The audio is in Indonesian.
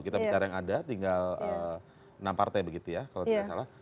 kita bicara yang ada tinggal enam partai begitu ya kalau tidak salah